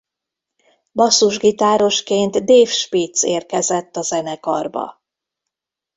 Basszusgitárosként Dave Spitz érkezett a zenekarba.